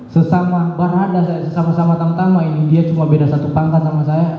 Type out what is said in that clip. sesama berada saya sesama sama tamtama ini dia cuma beda satu pangkat sama saya